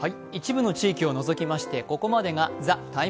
一部の地域を除きまして、ここまでが「ＴＨＥＴＩＭＥ’」。